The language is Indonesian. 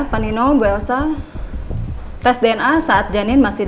pernah mengalami pendarahan atau kandungan ibu sehat